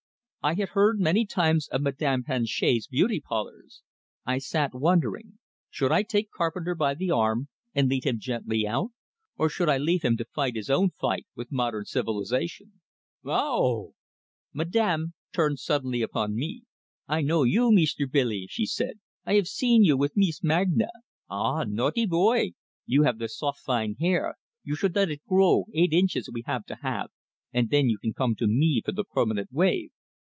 I had heard many times of Madame Planchet's beauty parlors. I sat, wondering; should I take Carpenter by the arm, and lead him gently out? Or should I leave him to fight his own fight with modern civilization? "O o o o o o o o oh!" Madame turned suddenly upon me. "I know you, Meester Billee," she said. "I have seen you with Mees Magna! Ah, naughtee boy! You have the soft, fine hair you should let it grow eight inches we have to have, and then you can come to me for the permanent wave.